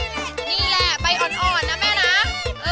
อ้าวนี่แหละไปอ่อนนะแม่นะเออ